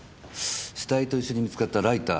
死体と一緒に見つかったライター